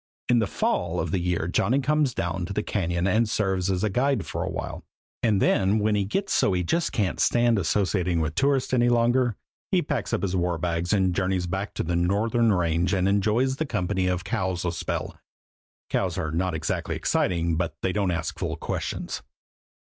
In the fall of the year Johnny comes down to the Cañon and serves as a guide a while; and then, when he gets so he just can't stand associating with tourists any longer, he packs his war bags and journeys back to the Northern Range and enjoys the company of cows a spell. Cows are not exactly exciting, but they don't ask fool questions.